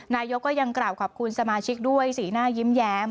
นายกก็ยังกล่าวขอบคุณสมาชิกด้วยสีหน้ายิ้มแย้ม